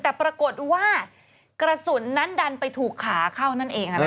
แต่ปรากฏว่ากระสุนนั้นดันไปถูกขาเข้านั่นเอง